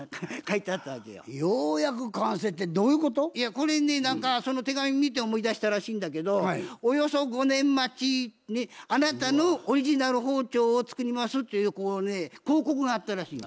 これねその手紙見て思い出したらしいんだけど「およそ５年待ちあなたのオリジナル包丁を作ります」っていう広告があったらしいの。